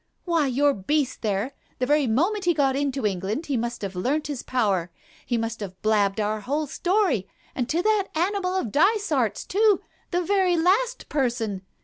Why, your beast there — the very moment he got into England he must have learnt his power; he must have blabbed our whole story, and to that animal of Dysart's, too, the very last person